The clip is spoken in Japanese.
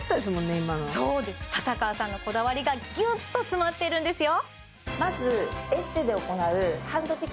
今のそうです笹川さんのこだわりがギュッと詰まってるんですよ